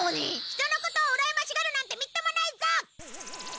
人のことをうらやましがるなんてみっともないぞ！